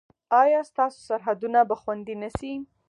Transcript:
ایا ستاسو سرحدونه به خوندي نه شي؟